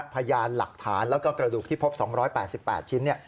พยานหลักฐานแล้วก็กระดูกที่พบ๒๘๘ชิ้น